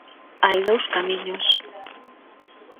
Hai dous camiños.